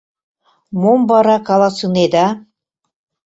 Мом вара каласынеда?